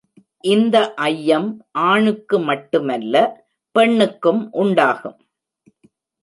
இந்த ஐயம் ஆணுக்கு மட்டுமல்ல பெண்ணுக்கும் உண்டாகும்.